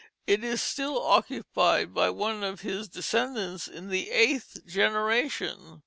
It is still occupied by one of his descendants in the eighth generation.